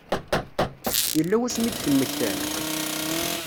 Yella wasmi i d-temmektam?